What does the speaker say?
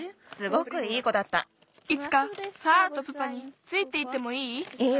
いつかサーラとプパについていってもいい？